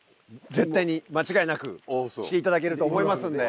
絶対に間違いなくしていただけると思いますので。